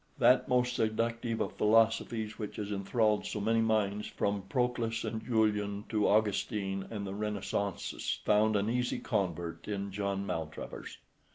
That most seductive of philosophies, which has enthralled so many minds from Proclus and Julian to Augustine and the Renaissancists, found an easy convert in John Maltravers.